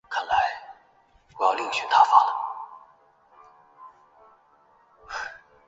中甸蓝钟花为桔梗科蓝钟花属下的一个种。